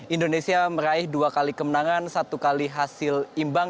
indonesia meraih dua kali kemenangan satu kali hasil imbang